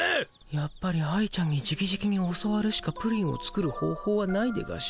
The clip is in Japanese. やっぱり愛ちゃんにじきじきに教わるしかプリンを作る方ほうはないでガシ。